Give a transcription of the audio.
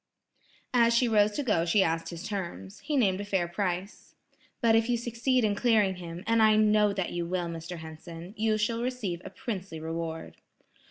As she rose to go she asked his terms. He named a fair price. "But if you succeed in clearing him, and I know that you will, Mr. Henson, you shall receive a princely reward."